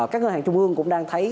các ngân hàng trung ương cũng đang thấy